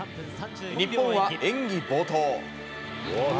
日本は演技冒頭。